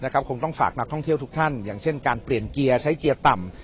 คงต้องฝากนักท่องเที่ยวทุกท่านอย่างเช่นการเปลี่ยนเกียร์ใช้เกียร์ต่ำ